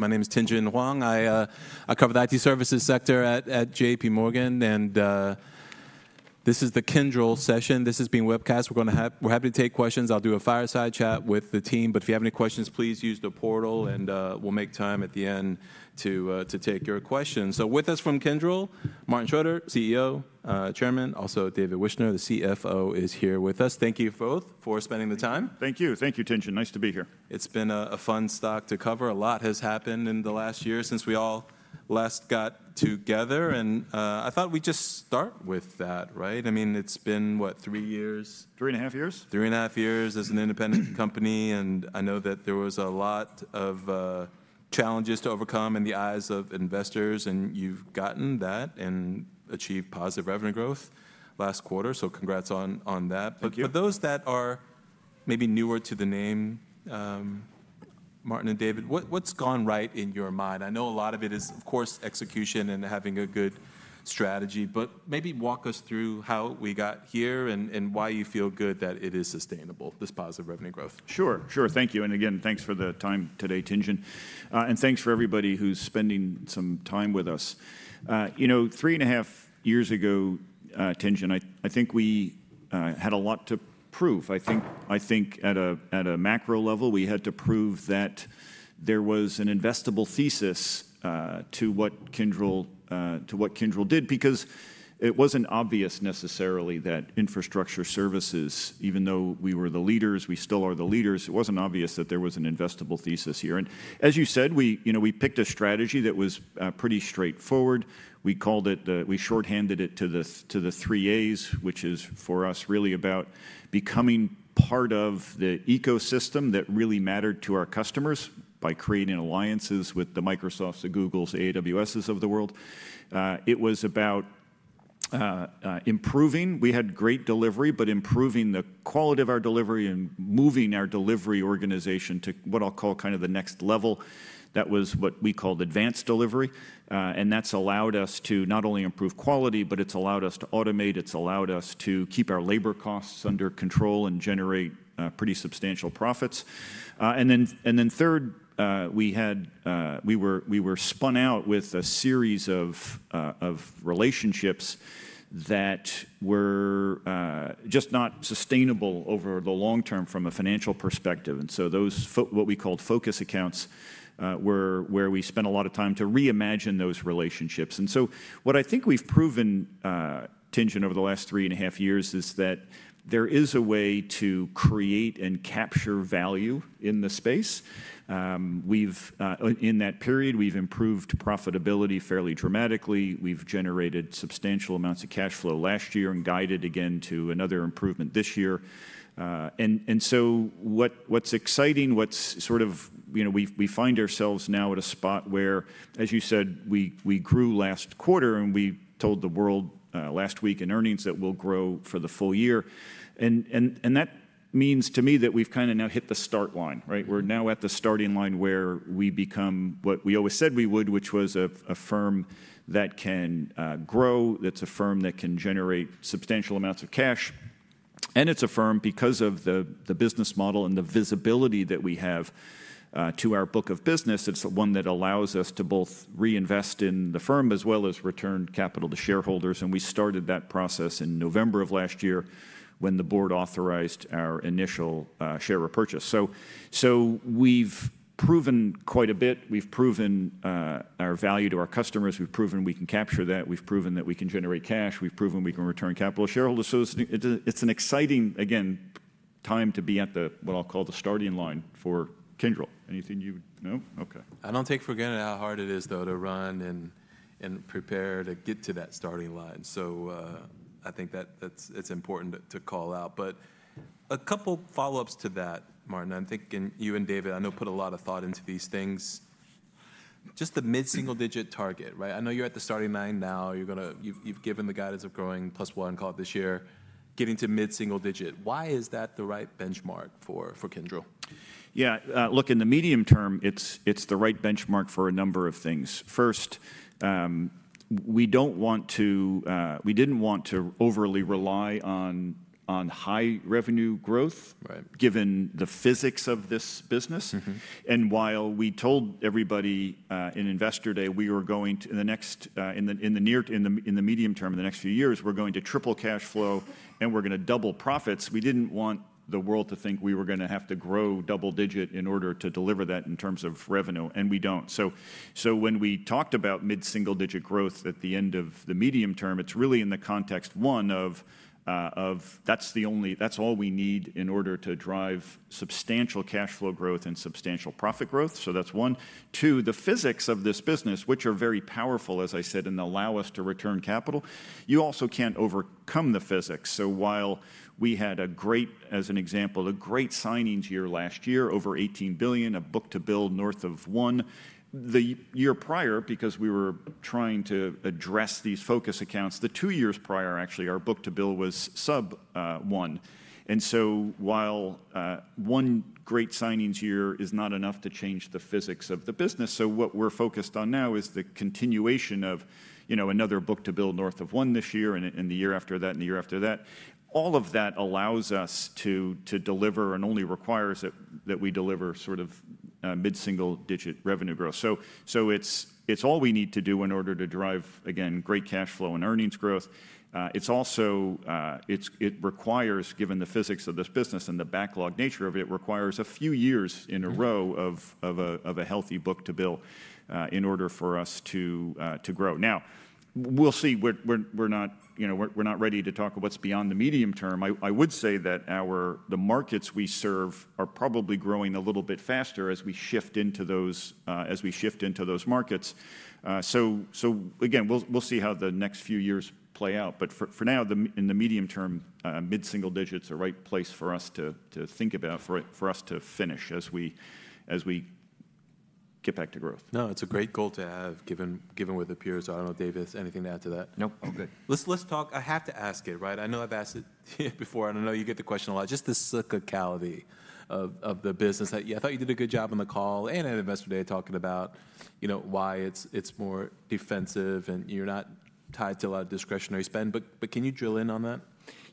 My name is Tien-Tsin Huang. I cover the IT services sector at JPMorgan, and this is the Kyndryl session. This is being webcast. We're happy to take questions. I'll do a fireside chat with the team, but if you have any questions, please use the portal, and we'll make time at the end to take your questions. With us from Kyndryl, Martin Schroeter, CEO, Chairman, also David Wyshner, the CFO, is here with us. Thank you both for spending the time. Thank you. Thank you, Tien-Tsin. Nice to be here. It's been a fun stock to cover. A lot has happened in the last year since we all last got together, and I thought we'd just start with that, right? I mean, it's been, what, three years? Three and a half years. Three and a half years as an independent company, and I know that there were a lot of challenges to overcome in the eyes of investors, and you've gotten that and achieved positive revenue growth last quarter, so congrats on that. Thank you. For those that are maybe newer to the name, Martin and David, what's gone right in your mind? I know a lot of it is, of course, execution and having a good strategy, but maybe walk us through how we got here and why you feel good that it is sustainable, this positive revenue growth. Sure, sure. Thank you. Thank you for the time today, Tien-Tsin, and thanks to everybody who's spending some time with us. You know, three and a half years ago, Tien-Tsin, I think we had a lot to prove. I think at a macro level, we had to prove that there was an investable thesis to what Kyndryl did, because it was not obvious necessarily that infrastructure services, even though we were the leaders, we still are the leaders. It was not obvious that there was an investable thesis here. As you said, we picked a strategy that was pretty straightforward. We short-handed it to the three A's, which is for us really about becoming part of the ecosystem that really mattered to our customers by creating alliances with the Microsofts, the Googles, the AWSs of the world. It was about improving—we had great delivery, but improving the quality of our delivery and moving our delivery organization to what I'll call kind of the next level. That was what we called advanced delivery, and that's allowed us to not only improve quality, but it's allowed us to automate. It's allowed us to keep our labor costs under control and generate pretty substantial profits. Third, we were spun out with a series of relationships that were just not sustainable over the long term from a financial perspective. Those, what we called focus accounts, were where we spent a lot of time to reimagine those relationships. What I think we've proven, Tsien-Tsin, over the last three and a half years is that there is a way to create and capture value in the space. In that period, we've improved profitability fairly dramatically. We've generated substantial amounts of cash flow last year and guided again to another improvement this year. What's exciting, what's sort of—we find ourselves now at a spot where, as you said, we grew last quarter, and we told the world last week in earnings that we'll grow for the full year. That means to me that we've kind of now hit the start line, right? We're now at the starting line where we become what we always said we would, which was a firm that can grow, that's a firm that can generate substantial amounts of cash, and it's a firm because of the business model and the visibility that we have to our book of business. It's one that allows us to both reinvest in the firm as well as return capital to shareholders. We started that process in November of last year when the board authorized our initial share repurchase. We have proven quite a bit. We have proven our value to our customers. We have proven we can capture that. We have proven that we can generate cash. We have proven we can return capital to shareholders. It is an exciting, again, time to be at what I will call the starting line for Kyndryl. Anything you would know? Okay. I don't take for granted how hard it is, though, to run and prepare to get to that starting line. I think that it's important to call out. A couple of follow-ups to that, Martin. I'm thinking you and David, I know, put a lot of thought into these things. Just the mid-single-digit target, right? I know you're at the starting line now. You've given the guidance of growing plus one, call it, this year, getting to mid-single digit. Why is that the right benchmark for Kyndryl? Yeah. Look, in the medium term, it's the right benchmark for a number of things. First, we don't want to—we didn't want to overly rely on high revenue growth given the physics of this business. And while we told everybody in Investor Day we were going to—in the medium term of the next few years, we're going to triple cash flow and we're going to double profits, we didn't want the world to think we were going to have to grow double digit in order to deliver that in terms of revenue, and we don't. When we talked about mid-single digit growth at the end of the medium term, it's really in the context, one, of that's all we need in order to drive substantial cash flow growth and substantial profit growth. That's one. Two, the physics of this business, which are very powerful, as I said, and allow us to return capital. You also can't overcome the physics. While we had, as an example, a great signings year last year, over $18 billion, a book to bill north of one the year prior, because we were trying to address these focus accounts. The two years prior, actually, our book to bill was sub one. While one great signings year is not enough to change the physics of the business, what we're focused on now is the continuation of another book to bill north of one this year and the year after that and the year after that. All of that allows us to deliver and only requires that we deliver sort of mid-single digit revenue growth. It is all we need to do in order to drive, again, great cash flow and earnings growth. It also requires, given the physics of this business and the backlog nature of it, a few years in a row of a healthy book to bill in order for us to grow. Now, we'll see. We're not ready to talk about what's beyond the medium term. I would say that the markets we serve are probably growing a little bit faster as we shift into those markets. Again, we'll see how the next few years play out. For now, in the medium term, mid-single digit is a right place for us to think about, for us to finish as we get back to growth. No, it's a great goal to have given what appears to us. I don't know, David, anything to add to that? Nope. Okay. I have to ask it, right? I know I've asked it before. I know you get the question a lot. Just the cyclicality of the business. I thought you did a good job on the call and at Investor Day talking about why it's more defensive and you're not tied to a lot of discretionary spend. Can you drill in on that?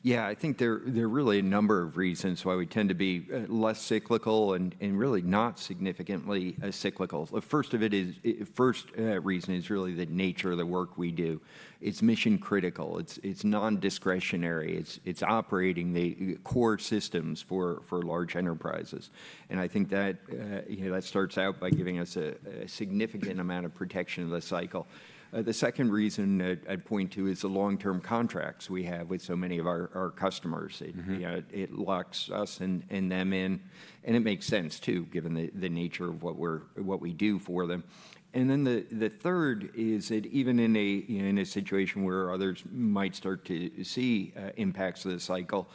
Yeah. I think there are really a number of reasons why we tend to be less cyclical and really not significantly cyclical. The first reason is really the nature of the work we do. It's mission critical. It's non-discretionary. It's operating the core systems for large enterprises. I think that starts out by giving us a significant amount of protection of the cycle. The second reason I'd point to is the long-term contracts we have with so many of our customers. It locks us and them in. It makes sense, too, given the nature of what we do for them. The third is that even in a situation where others might start to see impacts of the cycle,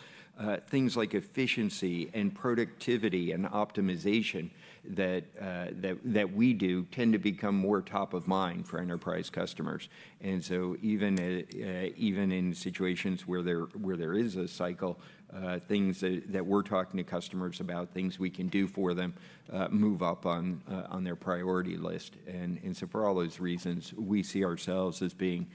things like efficiency and productivity and optimization that we do tend to become more top of mind for enterprise customers. Even in situations where there is a cycle, things that we are talking to customers about, things we can do for them, move up on their priority list. For all those reasons, we see ourselves as being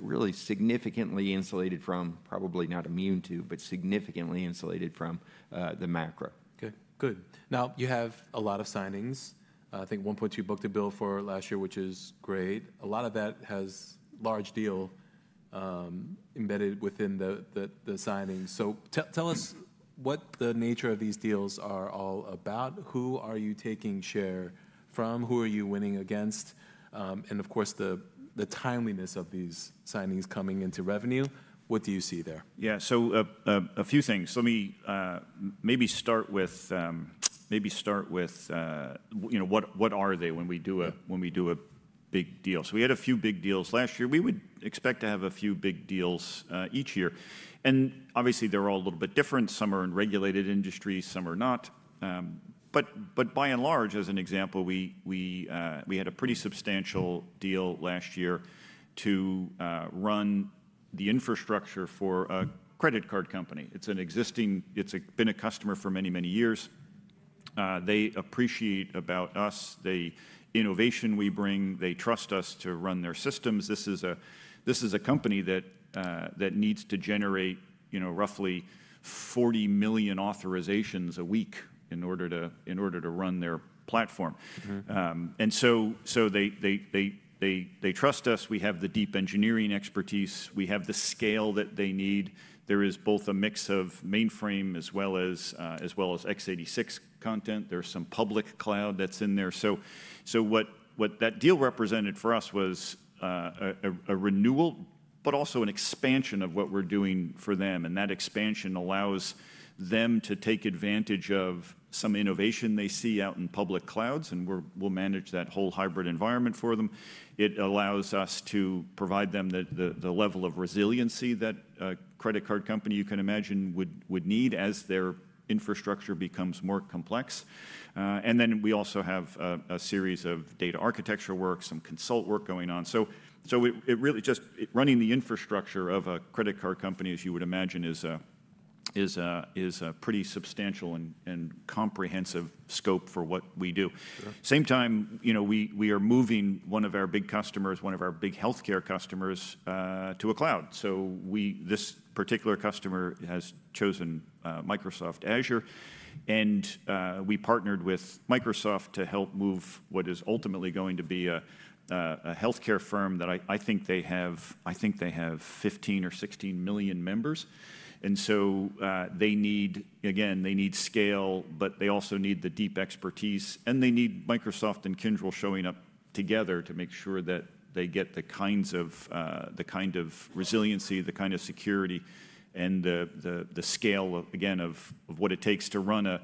really significantly insulated from, probably not immune to, but significantly insulated from the macro. Okay. Good. Now, you have a lot of signings. I think 1.2 book-to-bill for last year, which is great. A lot of that has large deal embedded within the signings. Tell us what the nature of these deals are all about. Who are you taking share from? Who are you winning against? Of course, the timeliness of these signings coming into revenue. What do you see there? Yeah. A few things. Let me maybe start with what are they when we do a big deal. We had a few big deals last year. We would expect to have a few big deals each year. Obviously, they're all a little bit different. Some are in regulated industries. Some are not. By and large, as an example, we had a pretty substantial deal last year to run the infrastructure for a credit card company. It's been a customer for many, many years. They appreciate about us the innovation we bring. They trust us to run their systems. This is a company that needs to generate roughly 40 million authorizations a week in order to run their platform. They trust us. We have the deep engineering expertise. We have the scale that they need. There is both a mix of mainframe as well as x86 content. There is some public cloud that is in there. What that deal represented for us was a renewal, but also an expansion of what we are doing for them. That expansion allows them to take advantage of some innovation they see out in public clouds, and we will manage that whole hybrid environment for them. It allows us to provide them the level of resiliency that a credit card company, you can imagine, would need as their infrastructure becomes more complex. We also have a series of data architecture work, some consult work going on. Really just running the infrastructure of a credit card company, as you would imagine, is a pretty substantial and comprehensive scope for what we do. At the same time, we are moving one of our big customers, one of our big healthcare customers, to a cloud. This particular customer has chosen Microsoft Azure. We partnered with Microsoft to help move what is ultimately going to be a healthcare firm that I think they have 15 or 16 million members. They need, again, they need scale, but they also need the deep expertise. They need Microsoft and Kyndryl showing up together to make sure that they get the kind of resiliency, the kind of security, and the scale, again, of what it takes to run a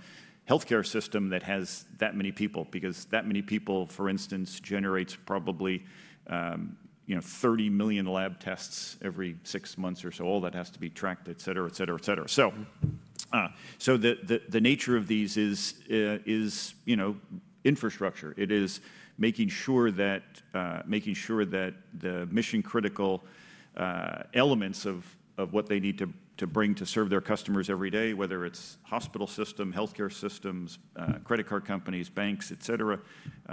healthcare system that has that many people, because that many people, for instance, generates probably 30 million lab tests every six months or so. All that has to be tracked, et cetera, et cetera, et cetera. The nature of these is infrastructure. It is making sure that the mission critical elements of what they need to bring to serve their customers every day, whether it's hospital systems, healthcare systems, credit card companies, banks, et cetera,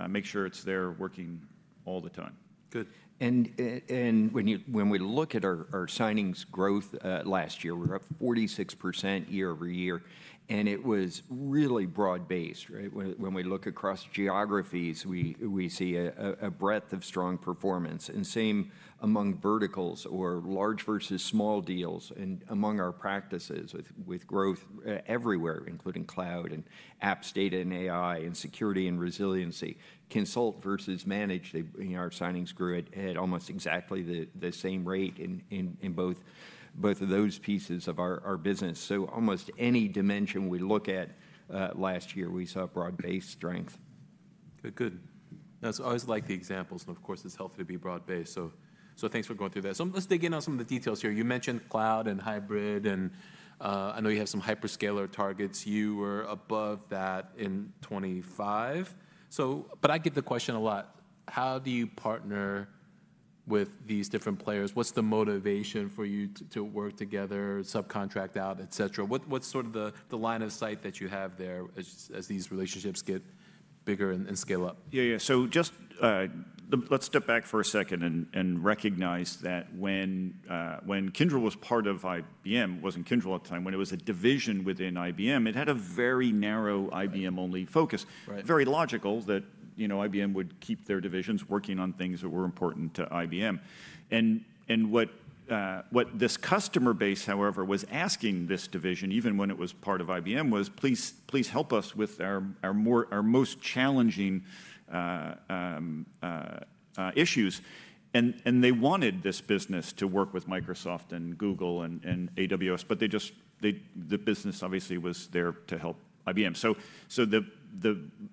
make sure it's there working all the time. Good. When we look at our signings growth last year, we were up 46% year-over-year. It was really broad-based. When we look across geographies, we see a breadth of strong performance. The same among verticals or large versus small deals and among our practices with growth everywhere, including cloud and apps, data and AI, and security and resiliency. Consult versus managed, our signings grew at almost exactly the same rate in both of those pieces of our business. Almost any dimension we look at last year, we saw broad-based strength. Good. Good. I always like the examples. Of course, it's healthy to be broad-based. Thanks for going through that. Let's dig in on some of the details here. You mentioned cloud and hybrid. I know you have some hyperscaler targets. You were above that in 2025. I get the question a lot. How do you partner with these different players? What's the motivation for you to work together, subcontract out, et cetera? What's sort of the line of sight that you have there as these relationships get bigger and scale up? Yeah. Yeah. Just let's step back for a second and recognize that when Kyndryl was part of IBM, it wasn't Kyndryl at the time. When it was a division within IBM, it had a very narrow IBM-only focus. Very logical that IBM would keep their divisions working on things that were important to IBM. What this customer base, however, was asking this division, even when it was part of IBM, was, please help us with our most challenging issues. They wanted this business to work with Microsoft and Google and AWS. The business, obviously, was there to help IBM.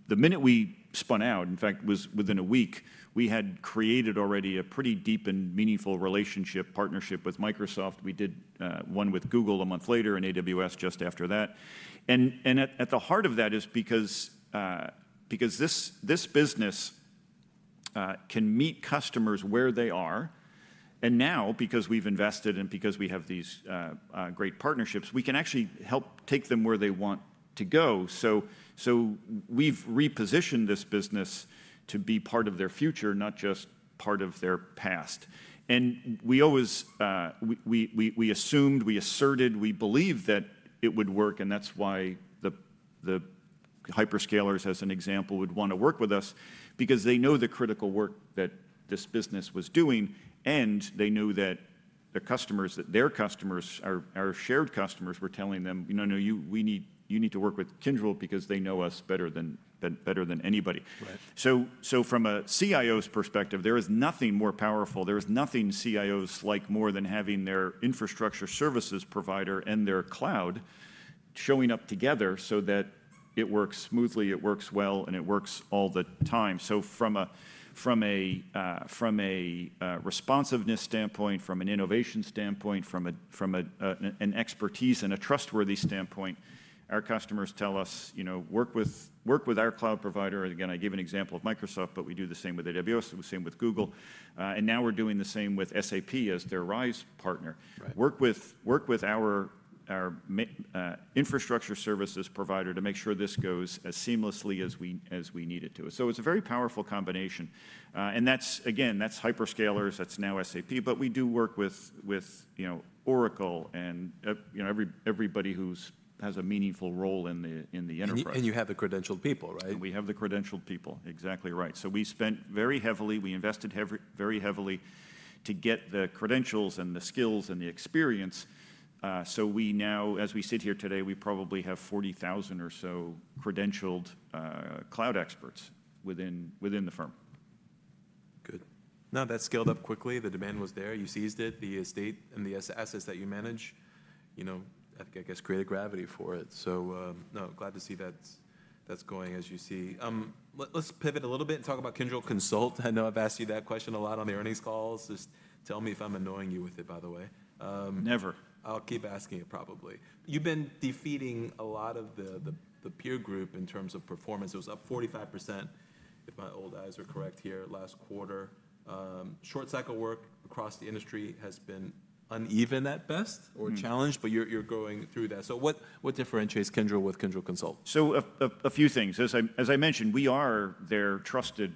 The minute we spun out, in fact, within a week, we had created already a pretty deep and meaningful relationship partnership with Microsoft. We did one with Google a month later and AWS just after that. At the heart of that is because this business can meet customers where they are. Now, because we've invested and because we have these great partnerships, we can actually help take them where they want to go. We've repositioned this business to be part of their future, not just part of their past. We assumed, we asserted, we believed that it would work. That is why the hyperscalers, as an example, would want to work with us, because they know the critical work that this business was doing. They knew that their customers, our shared customers, were telling them, no, no, you need to work with Kyndryl because they know us better than anybody. From a CIO's perspective, there is nothing more powerful. There is nothing CIOs like more than having their infrastructure services provider and their cloud showing up together so that it works smoothly, it works well, and it works all the time. From a responsiveness standpoint, from an innovation standpoint, from an expertise and a trustworthy standpoint, our customers tell us, work with our cloud provider. Again, I gave an example of Microsoft, but we do the same with AWS, the same with Google. Now we're doing the same with SAP as their RISE partner. Work with our infrastructure services provider to make sure this goes as seamlessly as we need it to. It is a very powerful combination. Again, that's hyperscalers. That's now SAP. We do work with Oracle and everybody who has a meaningful role in the enterprise. You have the credentialed people, right? We have the credentialed people. Exactly right. We spent very heavily, we invested very heavily to get the credentials and the skills and the experience. Now, as we sit here today, we probably have 40,000 or so credentialed cloud experts within the firm. Good. Now that scaled up quickly. The demand was there. You seized it. The estate and the assets that you manage, I guess, created gravity for it. Glad to see that's going, as you see. Let's pivot a little bit and talk about Kyndryl Consult. I know I've asked you that question a lot on the earnings calls. Just tell me if I'm annoying you with it, by the way. Never. I'll keep asking it, probably. You've been defeating a lot of the peer group in terms of performance. It was up 45%, if my old eyes are correct here, last quarter. Short cycle work across the industry has been uneven at best or challenged, but you're growing through that. So what differentiates Kyndryl with Kyndryl Consult? A few things. As I mentioned, we are their trusted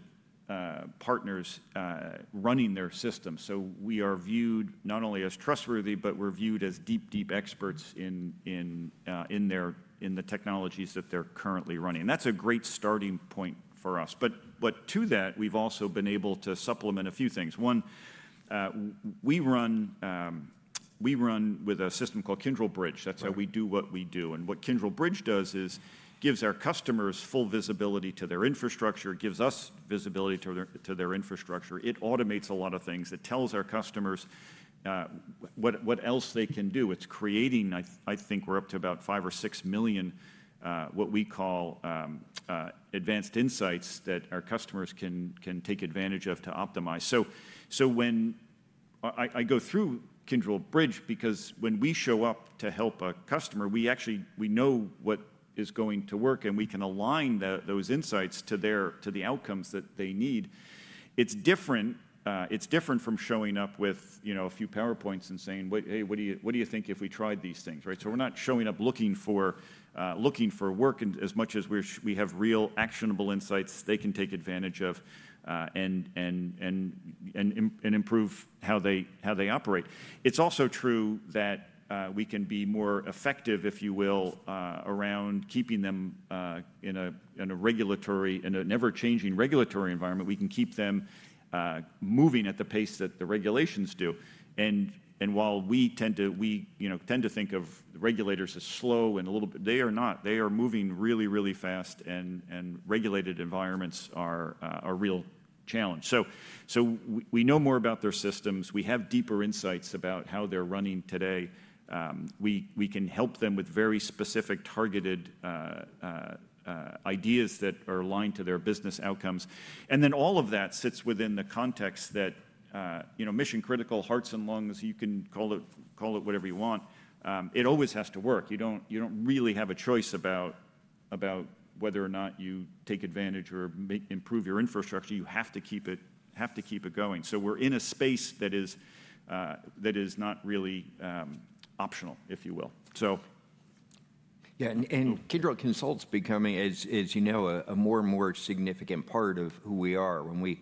partners running their systems. We are viewed not only as trustworthy, but we're viewed as deep, deep experts in the technologies that they're currently running. That's a great starting point for us. To that, we've also been able to supplement a few things. One, we run with a system called Kyndryl Bridge. That's how we do what we do. What Kyndryl Bridge does is gives our customers full visibility to their infrastructure, gives us visibility to their infrastructure. It automates a lot of things. It tells our customers what else they can do. It's creating, I think we're up to about five or six million what we call advanced insights that our customers can take advantage of to optimize. I go through Kyndryl Bridge because when we show up to help a customer, we know what is going to work, and we can align those insights to the outcomes that they need. It is different from showing up with a few PowerPoints and saying, hey, what do you think if we tried these things? We are not showing up looking for work as much as we have real actionable insights they can take advantage of and improve how they operate. It is also true that we can be more effective, if you will, around keeping them in a never-changing regulatory environment. We can keep them moving at the pace that the regulations do. While we tend to think of regulators as slow and a little bit, they are not. They are moving really, really fast. Regulated environments are a real challenge. We know more about their systems. We have deeper insights about how they're running today. We can help them with very specific targeted ideas that are aligned to their business outcomes. All of that sits within the context that mission critical, hearts and lungs, you can call it whatever you want. It always has to work. You don't really have a choice about whether or not you take advantage or improve your infrastructure. You have to keep it going. We're in a space that is not really optional, if you will. Yeah. Kyndryl Consult's becoming, as you know, a more and more significant part of who we are. When we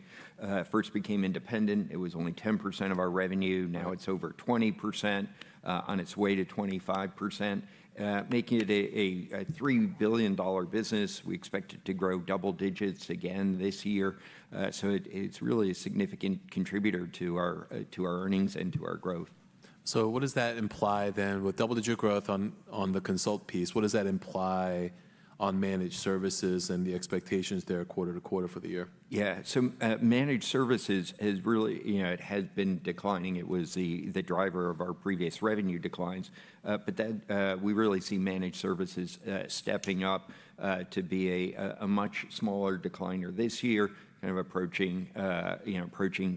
first became independent, it was only 10% of our revenue. Now it's over 20% on its way to 25%, making it a $3 billion business. We expect it to grow double digits again this year. It is really a significant contributor to our earnings and to our growth. What does that imply then with double-digit growth on the consult piece? What does that imply on managed services and the expectations there quarter to quarter for the year? Yeah. Managed services has been declining. It was the driver of our previous revenue declines. We really see managed services stepping up to be a much smaller decliner this year, kind of approaching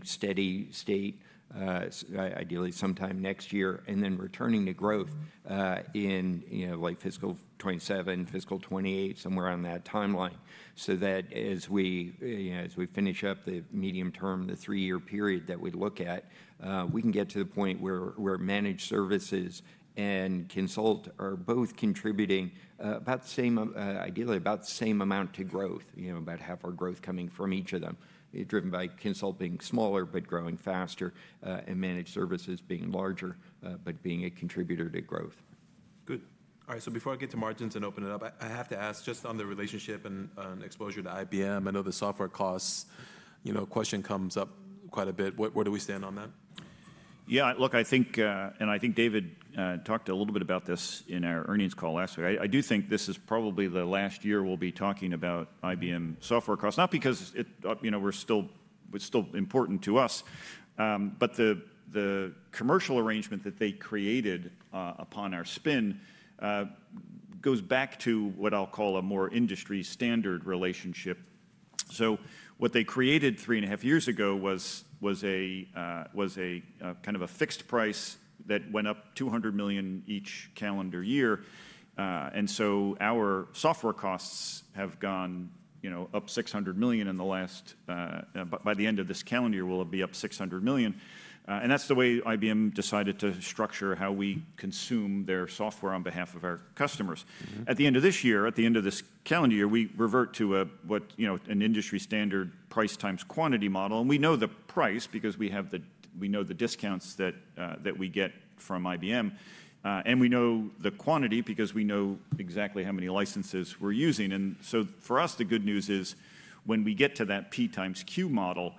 steady state, ideally sometime next year, and then returning to growth in fiscal 2027, fiscal 2028, somewhere on that timeline. As we finish up the medium term, the three-year period that we look at, we can get to the point where managed services and consult are both contributing ideally about the same amount to growth, about half our growth coming from each of them, driven by consult being smaller, but growing faster, and managed services being larger, but being a contributor to growth. Good. All right. Before I get to margins and open it up, I have to ask just on the relationship and exposure to IBM. I know the software costs question comes up quite a bit. Where do we stand on that? Yeah. Look, I think, and I think David talked a little bit about this in our earnings call last week. I do think this is probably the last year we'll be talking about IBM software costs, not because they're still important to us. The commercial arrangement that they created upon our spin goes back to what I'll call a more industry standard relationship. What they created three and a half years ago was kind of a fixed price that went up $200 million each calendar year. Our software costs have gone up $600 million in the last, by the end of this calendar year, will be up $600 million. That's the way IBM decided to structure how we consume their software on behalf of our customers. At the end of this year, at the end of this calendar year, we revert to an industry standard price times quantity model. We know the price because we know the discounts that we get from IBM. We know the quantity because we know exactly how many licenses we're using. For us, the good news is when we get to that P times Q model,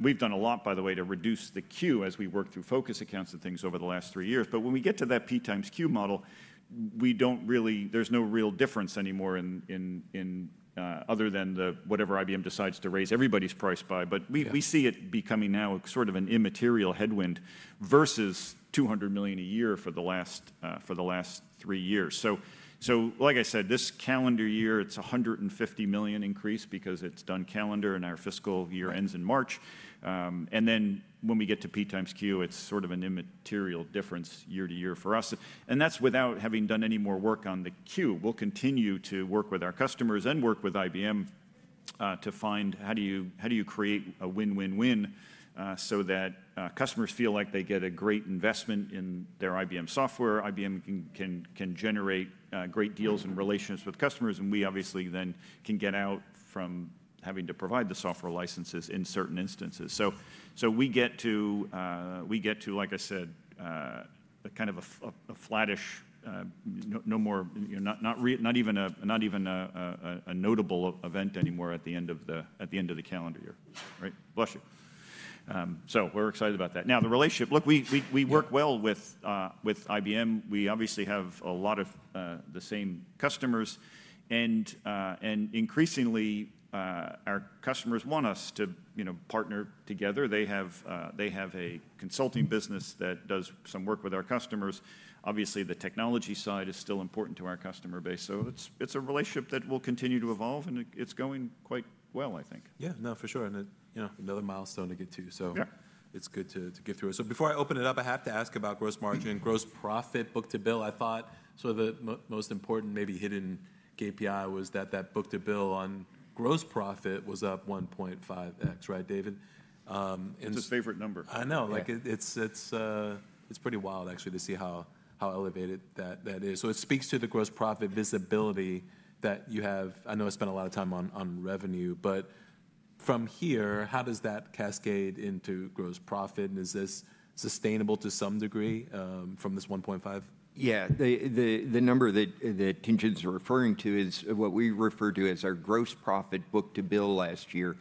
we've done a lot, by the way, to reduce the Q as we work through focus accounts and things over the last three years. When we get to that P times Q model, there's no real difference anymore other than whatever IBM decides to raise everybody's price by. We see it becoming now sort of an immaterial headwind versus $200 million a year for the last three years. Like I said, this calendar year, it's a $150 million increase because it's done calendar and our fiscal year ends in March. When we get to P times Q, it's sort of an immaterial difference year to year for us. That's without having done any more work on the Q. We'll continue to work with our customers and work with IBM to find how do you create a win-win-win so that customers feel like they get a great investment in their IBM software. IBM can generate great deals and relations with customers. We, obviously, then can get out from having to provide the software licenses in certain instances. We get to, like I said, kind of a flattish, not even a notable event anymore at the end of the calendar year. Bless you. We're excited about that. Now, the relationship, look, we work well with IBM. We obviously have a lot of the same customers. Increasingly, our customers want us to partner together. They have a consulting business that does some work with our customers. Obviously, the technology side is still important to our customer base. It is a relationship that will continue to evolve. It is going quite well, I think. Yeah. No, for sure. Another milestone to get to. It is good to get through it. Before I open it up, I have to ask about gross margin, gross profit, book to bill. I thought sort of the most important, maybe hidden KPI was that that book to bill on gross profit was up 1.5, right, David? That's his favorite number. I know. It's pretty wild, actually, to see how elevated that is. It speaks to the gross profit visibility that you have. I know I spent a lot of time on revenue. From here, how does that cascade into gross profit? Is this sustainable to some degree from this 1.5? Yeah. The number that Kyndryl's referring to is what we refer to as our gross profit book-to bill last year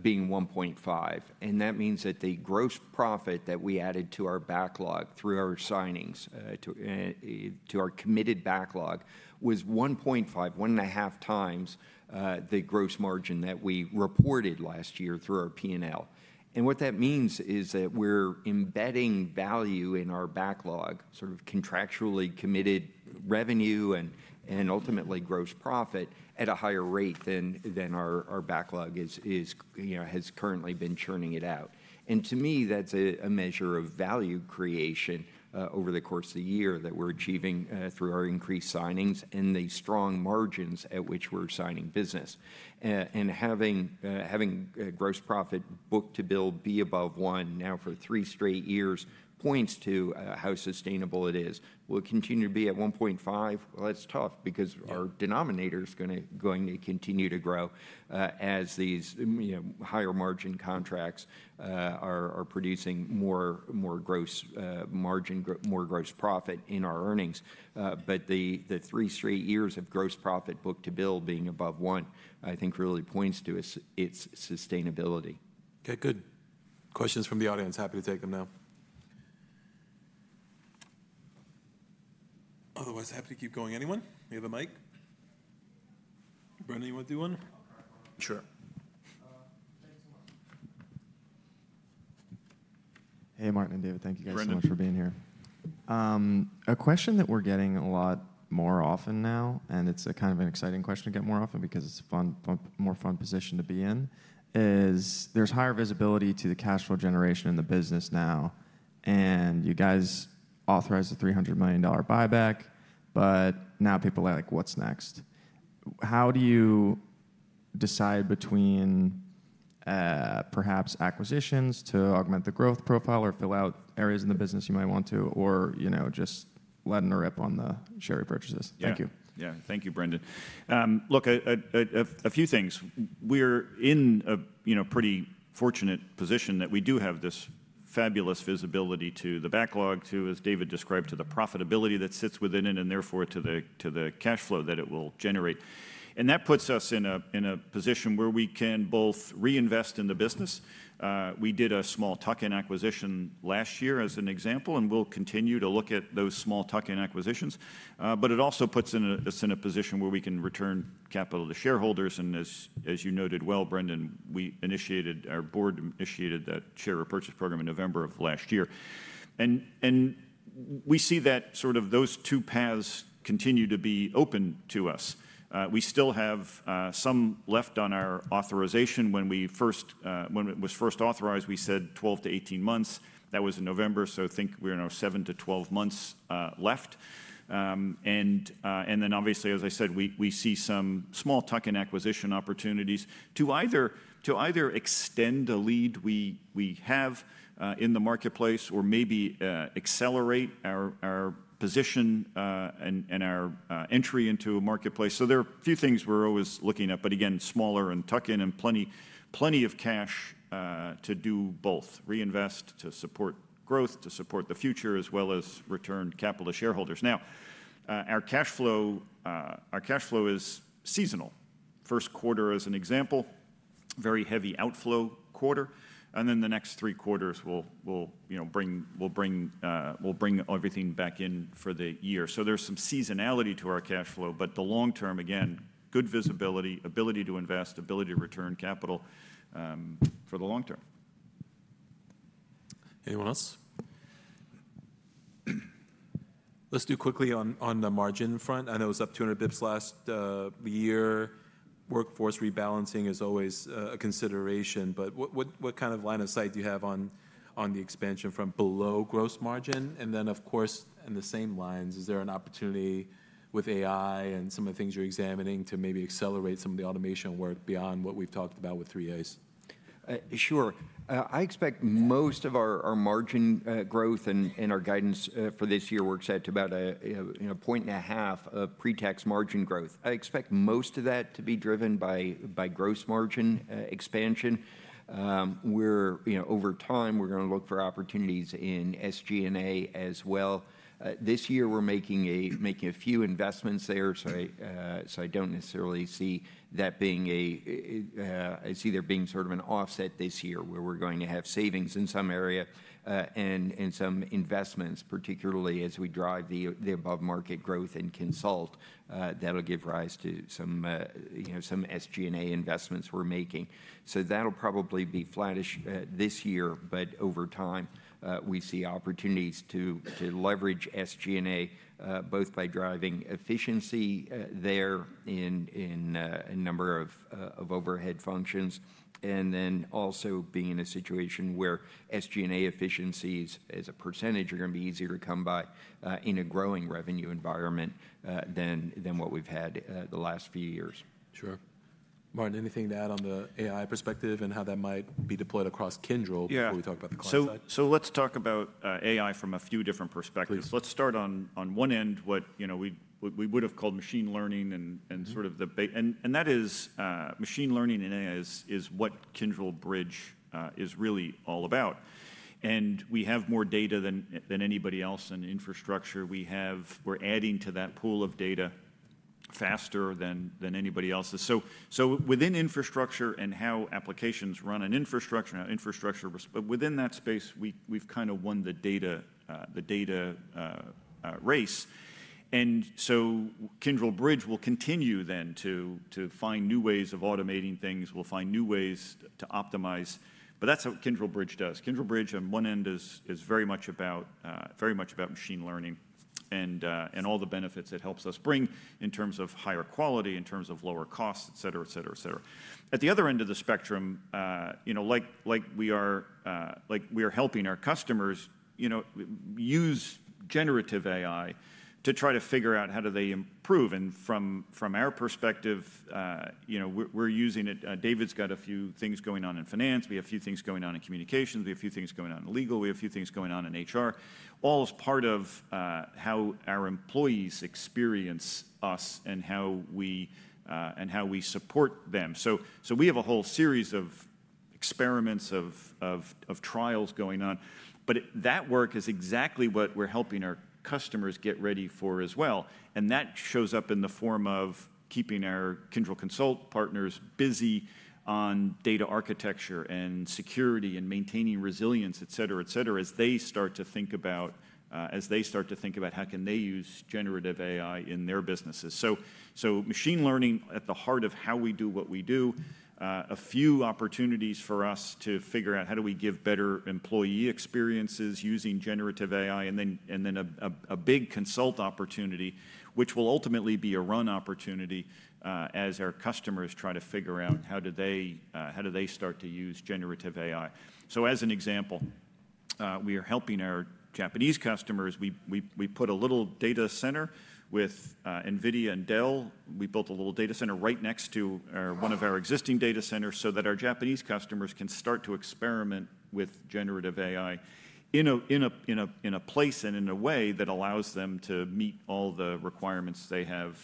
being 1.5. That means that the gross profit that we added to our backlog through our signings to our committed backlog was 1.5, one and a half times the gross margin that we reported last year through our P&L. What that means is that we're embedding value in our backlog, sort of contractually committed revenue and ultimately gross profit at a higher rate than our backlog has currently been churning it out. To me, that's a measure of value creation over the course of the year that we're achieving through our increased signings and the strong margins at which we're signing business. Having gross profit book to bill be above one now for three straight years points to how sustainable it is. Will it continue to be at 1.5? That is tough because our denominator is going to continue to grow as these higher margin contracts are producing more gross margin, more gross profit in our earnings. The three straight years of gross profit book-to-bill being above one, I think really points to its sustainability. Okay. Good. Questions from the audience? Happy to take them now. Otherwise, happy to keep going. Anyone? You have a mic? Brandon, you want to do one? Sure. Thanks so much. Hey, Martin and David. Thank you guys so much for being here. A question that we're getting a lot more often now, and it's kind of an exciting question to get more often because it's a more fun position to be in, is there's higher visibility to the cash flow generation in the business now. You guys authorized a $300 million buyback. Now people are like, what's next? How do you decide between perhaps acquisitions to augment the growth profile or fill out areas in the business you might want to, or just letting her rip on the share repurchases? Thank you. Yeah. Thank you, Brandon. Look, a few things. We're in a pretty fortunate position that we do have this fabulous visibility to the backlog, to, as David described, to the profitability that sits within it, and therefore to the cash flow that it will generate. That puts us in a position where we can both reinvest in the business. We did a small tuck-in acquisition last year as an example, and we'll continue to look at those small tuck-in acquisitions. It also puts us in a position where we can return capital to shareholders. As you noted well, Brandon, our board initiated that share repurchase program in November of last year. We see that sort of those two paths continue to be open to us. We still have some left on our authorization. When it was first authorized, we said 12 to 18 months. That was in November. I think we're now seven to 12 months left. Obviously, as I said, we see some small tuck-in acquisition opportunities to either extend the lead we have in the marketplace or maybe accelerate our position and our entry into a marketplace. There are a few things we're always looking at, but again, smaller and tuck-in and plenty of cash to do both, reinvest to support growth, to support the future, as well as return capital to shareholders. Now, our cash flow is seasonal. First quarter, as an example, very heavy outflow quarter. The next three quarters will bring everything back in for the year. There is some seasonality to our cash flow. The long term, again, good visibility, ability to invest, ability to return capital for the long term. Anyone else? Let's do quickly on the margin front. I know it was up 200 basis points last year. Workforce rebalancing is always a consideration. What kind of line of sight do you have on the expansion from below gross margin? In the same lines, is there an opportunity with AI and some of the things you're examining to maybe accelerate some of the automation work beyond what we've talked about with 3As? Sure. I expect most of our margin growth and our guidance for this year works out to about a point and a half of pre-tax margin growth. I expect most of that to be driven by gross margin expansion. Over time, we're going to look for opportunities in SG&A as well. This year, we're making a few investments there. I don't necessarily see that being a, I see there being sort of an offset this year where we're going to have savings in some area and some investments, particularly as we drive the above-market growth in consult that'll give rise to some SG&A investments we're making. That'll probably be flattish this year. Over time, we see opportunities to leverage SG&A both by driving efficiency there in a number of overhead functions, and then also being in a situation where SG&A efficiencies as a percentage are going to be easier to come by in a growing revenue environment than what we've had the last few years. Sure. Martin, anything to add on the AI perspective and how that might be deployed across Kyndryl before we talk about the classifieds? Let's talk about AI from a few different perspectives. Let's start on one end, what we would have called machine learning and sort of the, and that is machine learning and AI is what Kyndryl Bridge is really all about. We have more data than anybody else in infrastructure. We're adding to that pool of data faster than anybody else is. Within infrastructure and how applications run in infrastructure, how infrastructure responds, within that space, we've kind of won the data race. Kyndryl Bridge will continue then to find new ways of automating things. We'll find new ways to optimize. That's what Kyndryl Bridge does. Kyndryl Bridge on one end is very much about machine learning and all the benefits it helps us bring in terms of higher quality, in terms of lower costs, et cetera, et cetera, et cetera. At the other end of the spectrum, like we are helping our customers use generative AI to try to figure out how do they improve. From our perspective, we're using it. David's got a few things going on in finance. We have a few things going on in communications. We have a few things going on in legal. We have a few things going on in HR, all as part of how our employees experience us and how we support them. We have a whole series of experiments, of trials going on. That work is exactly what we're helping our customers get ready for as well. That shows up in the form of keeping our Kyndryl Consult partners busy on data architecture and security and maintaining resilience, et cetera, et cetera, as they start to think about, as they start to think about how can they use generative AI in their businesses. Machine learning at the heart of how we do what we do, a few opportunities for us to figure out how do we give better employee experiences using generative AI, and then a big consult opportunity, which will ultimately be a run opportunity as our customers try to figure out how do they start to use generative AI. As an example, we are helping our Japanese customers. We put a little data center with NVIDIA and Dell. We built a little data center right next to one of our existing data centers so that our Japanese customers can start to experiment with generative AI in a place and in a way that allows them to meet all the requirements they have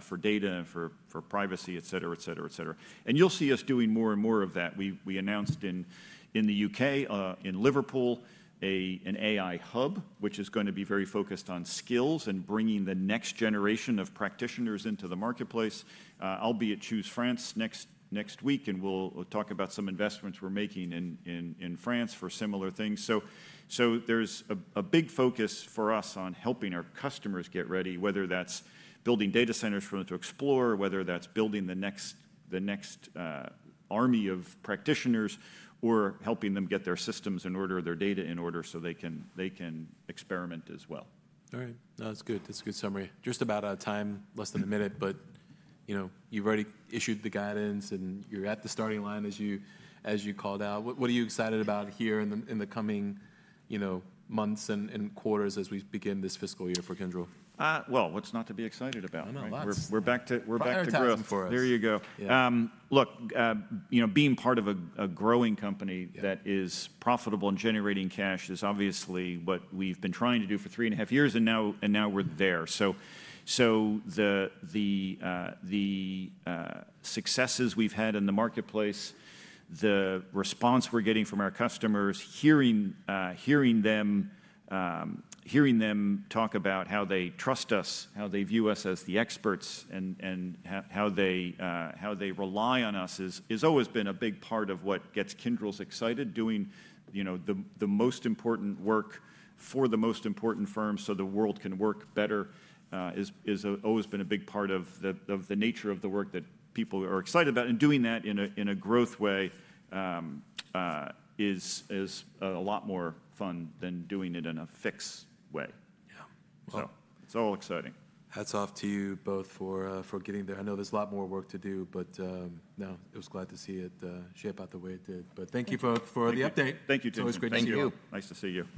for data and for privacy, et cetera, et cetera, et cetera. You will see us doing more and more of that. We announced in the U.K., in Liverpool, an AI hub, which is going to be very focused on skills and bringing the next generation of practitioners into the marketplace, albeit choose France next week. We will talk about some investments we are making in France for similar things. There's a big focus for us on helping our customers get ready, whether that's building data centers for them to explore, whether that's building the next army of practitioners, or helping them get their systems in order, their data in order so they can experiment as well. All right. No, that's good. That's a good summary. Just about out of time, less than a minute. But you've already issued the guidance, and you're at the starting line as you called out. What are you excited about here in the coming months and quarters as we begin this fiscal year for Kyndryl? What's not to be excited about? I know. We're back to growth. I'm happy for us. There you go. Look, being part of a growing company that is profitable and generating cash is obviously what we've been trying to do for three and a half years. And now we're there. The successes we've had in the marketplace, the response we're getting from our customers, hearing them talk about how they trust us, how they view us as the experts, and how they rely on us has always been a big part of what gets Kyndryl's excited. Doing the most important work for the most important firms so the world can work better has always been a big part of the nature of the work that people are excited about. Doing that in a growth way is a lot more fun than doing it in a fixed way. Yeah. It's all exciting. Hats off to you both for getting there. I know there's a lot more work to do. It was glad to see it shape out the way it did. Thank you both for the update. Thank you, too. It was great to meet you. Thank you. Nice to see you.